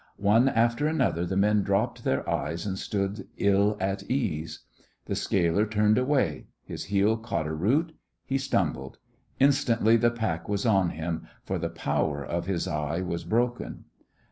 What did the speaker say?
One after another the men dropped their eyes and stood ill at ease. The scaler turned away; his heel caught a root; he stumbled; instantly the pack was on him, for the power of his eye was broken.